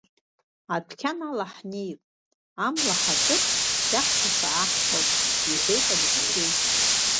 Адәқьан ала ҳнеип, амла ҳакыр иаҳфаша ааҳхәап, — иҳәеит Алексеи.